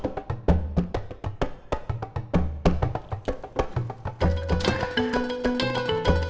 semuanya gasp dewa